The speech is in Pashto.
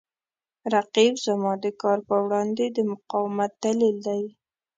رقیب زما د کار په وړاندې د مقاومت دلیل دی